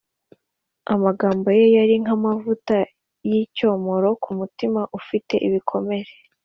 Amagambo Ye yari nk’amavuta y’icyomoro ku mutima ufite ibikomere.